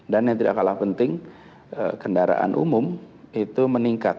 dan yang tidak kalah penting kendaraan umum itu meningkat